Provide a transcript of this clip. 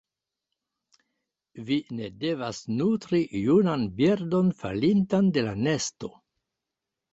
Vi ne devas nutri junan birdon falintan de la nesto.